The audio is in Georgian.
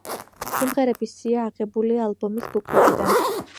სიმღერების სია აღებულია ალბომის ბუკლეტიდან.